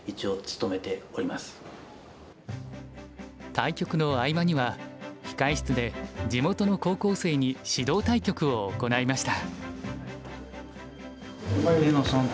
対局の合間には控え室で地元の高校生に指導対局を行いました。